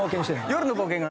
夜の冒険家。